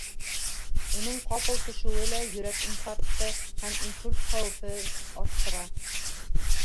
Уның ҡапыл төшөүе лә йөрәк инфаркты һәм инсульт хәүефен арттыра.